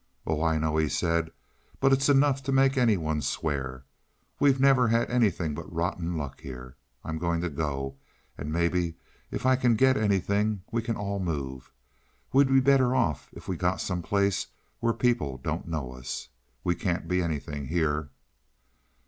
"Oh, I know," he said, "but it's enough to make any one swear. We've never had anything but rotten luck here. I'm going to go, and maybe if I get anything we can all move. We'd be better off if we'd get some place where people don't know us. We can't be anything here."